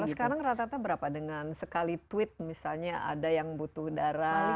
kalau sekarang rata rata berapa dengan sekali tweet misalnya ada yang butuh darah